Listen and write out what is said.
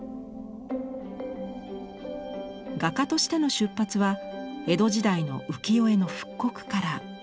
画家としての出発は江戸時代の浮世絵の復刻から。